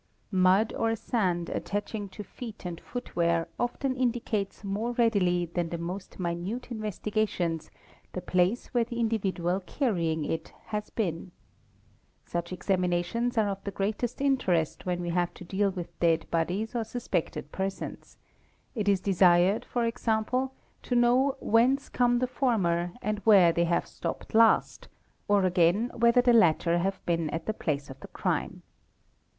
~ Mud or sand attaching to feet and footwear often indicates more readily than the most minute investigations the place where the indivi 'dual carrying it has been. Such examinations are of the greatest interest When we have to deal with dead bodies or suspected persons; it is desired, 0.4, to know whence come the former and where they have stopped last, or again whether the latter have been at the place of the crime.